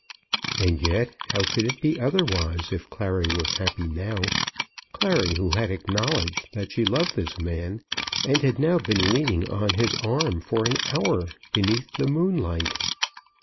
And yet how could it be otherwise if Clary was happy now, Clary who had acknowledged that she loved this man, and had now been leaning on his arm for an hour beneath the moonlight?